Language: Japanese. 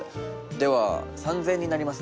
では３，０００円になります。